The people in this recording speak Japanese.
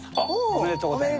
おめでとうございます。